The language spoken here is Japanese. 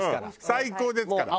最高ですから。